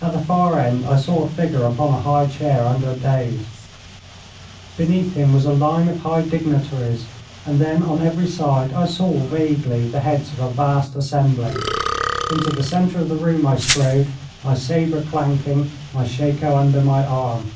At the far end I saw a figure upon a high chair under a daïs. Beneath him was a line of high dignitaries, and then on every side I saw vaguely the heads of a vast assembly. Into the centre of the room I strode, my sabre clanking, my shako under my arm.